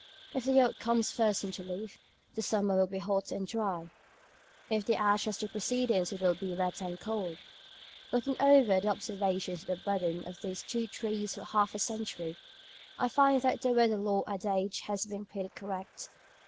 If the oak comes first into leaf, the summer will be hot and dry, if the ash has the precedence it will be wet and cold. Looking over the observations of the budding of these two trees for half a century, I find that the weather lore adage has been pretty correct.